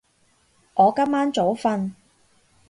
我今晚早瞓